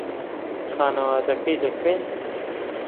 خانەوادەکەی لەکوێن؟